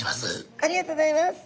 ありがとうございます。